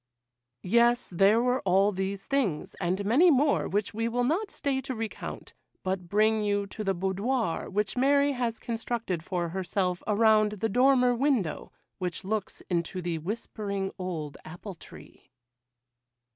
Yes, there were all these things, and many more which we will not stay to recount, but bring you to the boudoir which Mary has constructed for herself around the dormer window which looks into the whispering old apple tree.